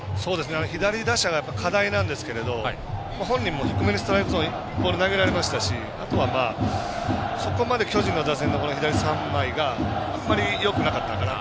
左打者が課題なんですけれども本人も低めのストライクゾーンにボール投げられましたしあとは、そこまで巨人の打線の左３枚があんまりよくなかったかな。